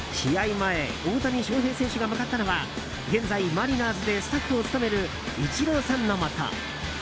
前大谷翔平選手が向かったのは現在、マリナーズでスタッフを務めるイチローさんのもと。